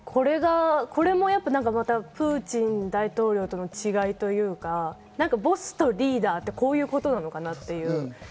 これもやっぱりプーチン大統領との違いというか、ボスとリーダーってこういうことなのかなって。